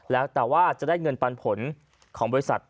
แล้วแต่ว่าจะได้เงินปันผลของบริษัท